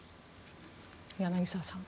柳澤さん